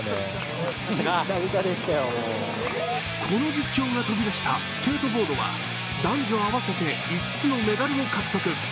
この実況が飛び出したスケートボードは男女合わせて５つのメダルを獲得。